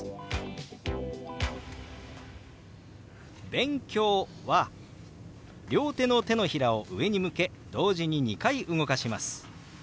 「勉強」は両手の手のひらを上に向け同時に２回動かします。